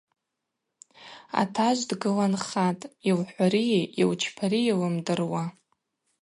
Атажв дгыланхатӏ йылхӏвари йылчпари лымдыруа.